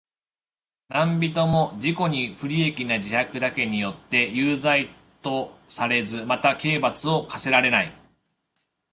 何人（なんびと）も自己に不利益な自白だけによっては有罪とされず、または刑罰を科せられない。